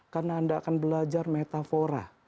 karena anda akan belajar metafora